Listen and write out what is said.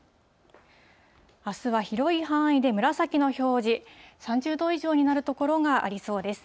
あすは広い範囲で紫の表示、３０度以上になる所がありそうです。